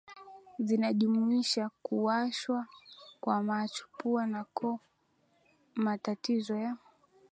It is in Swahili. zinajumuisha kuwashwa kwa macho pua na koo matatizo ya